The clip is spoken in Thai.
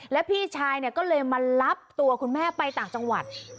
แล้วพี่ชายก็เลยมารับตัวคุณแม่ไปต่างจังหวัด